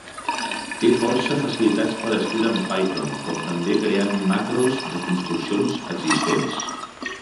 Té força facilitats per escriure en Python, com també creant macros de construccions existents.